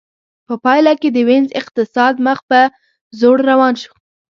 په پایله کې د وینز اقتصاد مخ په ځوړ روان شو